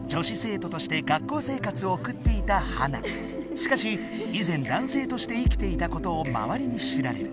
しかしいぜんだんせいとして生きていたことをまわりに知られる。